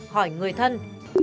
hỏi người thân